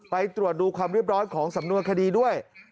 ไปตรวจดูความเรียบร้อยของสำนวนคดีด้วย